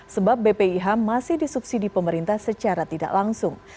sebab bpih masih disubsidi pemerintah secara tidak langsung